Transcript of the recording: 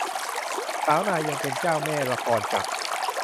สาวนายยังเป็นเจ้าแม่ละครจักร